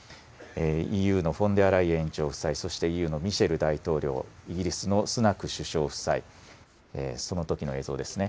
ＥＵのフォンデアライエン委員長夫妻、そしてＥＵのミシェル大統領、イギリスのスナク首相夫妻、そのときの映像ですね。